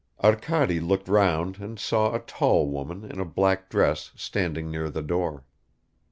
Arkady looked round and saw a tall woman in a black dress standing near the door.